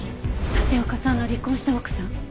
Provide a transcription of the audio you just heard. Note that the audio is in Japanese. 立岡さんの離婚した奥さん。